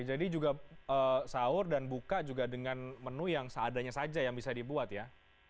jadi juga sahur dan buka juga dengan menu yang seadanya saja yang bisa dibuat ya